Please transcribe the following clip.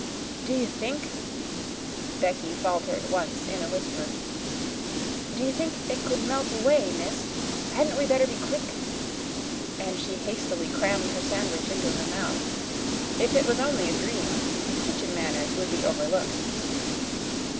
"Do you think," Becky faltered once, in a whisper, "do you think it could melt away, miss? Hadn't we better be quick?" And she hastily crammed her sandwich into her mouth. If it was only a dream, kitchen manners would be overlooked.